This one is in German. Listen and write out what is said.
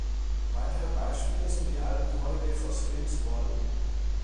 Weitere Beispiele sind die Alben "Holiday for Skins Vol.